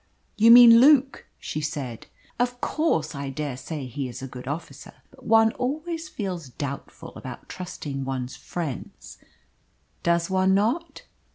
"You mean Luke," she said. "Of course I dare say he is a good officer. But one always feels doubtful about trusting one's friends does one not?"